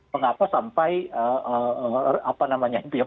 mengapa sampai apa namanya itu ya